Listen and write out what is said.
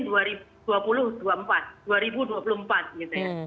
dua ribu dua puluh empat gitu ya